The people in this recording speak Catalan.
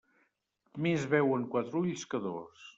Més veuen quatre ulls que dos.